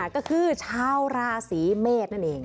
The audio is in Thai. ก็คือชาวราศีเมษนั่นเอง